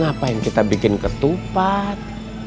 ngapain kita bikin ketupat